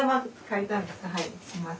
はいすいません。